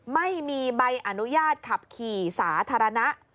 ไม่มีใบอนุญาตขับขี่สาธารณะ